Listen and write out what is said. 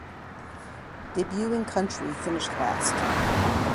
Debuting country finished last.